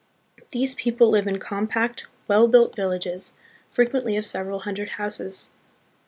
These people live in compact, well built villages, frequently of several hundred houses.